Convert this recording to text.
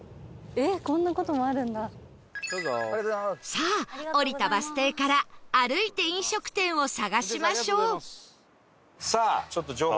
さあ降りたバス停から歩いて飲食店を探しましょう